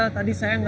tante gak apa apa